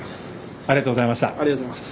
ありがとうございます。